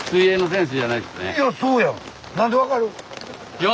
いやそうや！